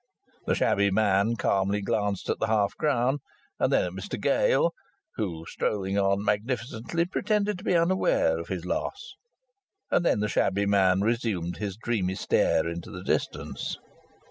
The shabby man calmly glanced at the half crown and then at Mr Gale, who, strolling on, magnificently pretended to be unaware of his loss; and then the shabby man resumed his dreamy stare into the distance.